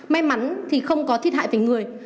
may mắn thì không có thiết hại về người